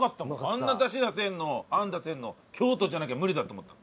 あんな出汁出せるのあん出せるの京都じゃなきゃ無理だと思った。